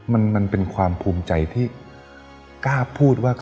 มันเป็นความภูมิใจที่กล้าพูดว่า